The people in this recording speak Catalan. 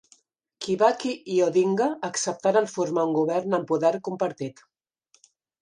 Kibaki i Odinga acceptaren formar un govern amb poder compartit.